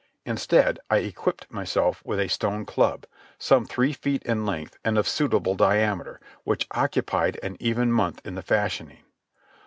Instead, I equipped myself with a stone club, some three feet in length and of suitable diameter, which occupied an even month in the fashioning.